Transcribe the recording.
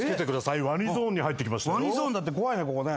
ワニゾーンだって怖いねここね。